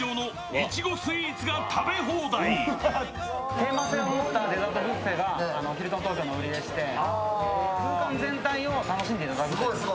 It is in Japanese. テーマ性を持ったデザートビュッフェがヒルトン東京の売りでして、空間全体を楽しんでいただきます。